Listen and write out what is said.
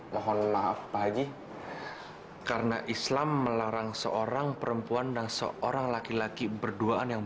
mohon maaf pagi karena islam melarang seorang perempuan dan seorang laki laki berduaan yang